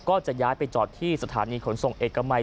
ก็จะย้ายไปจอดที่สถานีขนส่งเอกมัย